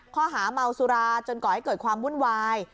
ข้อหาเมาสุราจนก่อให้เกิดความวุ่นวาย